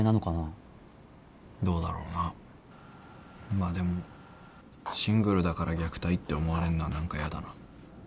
まあでもシングルだから虐待って思われるのは何かやだな。